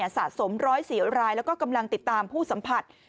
สะสม๑๐๔รายแล้วก็กำลังติดตามผู้สัมผัส